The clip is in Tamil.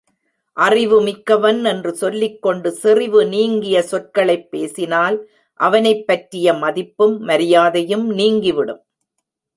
அறிவு மிக்கவன் என்று சொல்லிக்கொண்டு செறிவு நீங்கிய சொற்களைப் பேசினால் அவனைப்பற்றிய மதிப்பும் மரியாதையும் நீங்கிவிடும்.